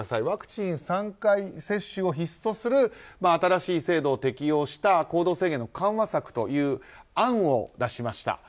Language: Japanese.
ワクチン３回接種を必須とする新しい行動制限の緩和策という案を出しました。